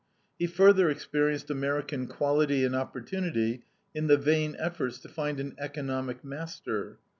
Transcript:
He further experienced American equality and opportunity in the vain efforts to find an economic master.